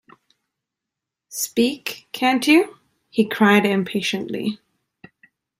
‘Speak, can’t you?’ he cried impatiently.